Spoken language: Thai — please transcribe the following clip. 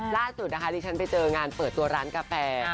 ล่าสุดนะคะดิฉันไปเจองานเปิดตัวร้านกาแฟ